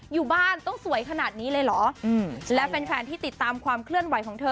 อยู่บ้านต้องสวยขนาดนี้เลยเหรออืมและแฟนแฟนที่ติดตามความเคลื่อนไหวของเธอ